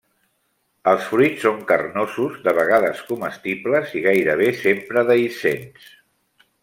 Els fruits són carnosos, de vegades comestibles, i gairebé sempre dehiscents.